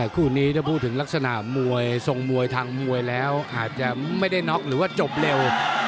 คู่นี้ถ้าพูดถึงลักษณะมวยทรงมวยทางมวยแล้วอาจจะไม่ได้น็อกหรือว่าจบเร็ว